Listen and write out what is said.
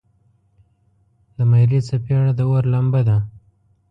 د میرې څپیړه د اور لمبه ده.